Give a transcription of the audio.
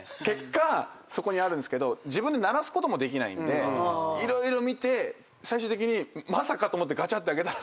そこにあるんですけど自分で鳴らすこともできないんで色々見て最終的にまさかと思ってガチャッて開けたら。